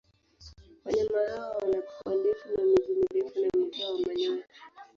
Wanyama hawa wana pua ndefu na miguu mirefu na mkia wa manyoya.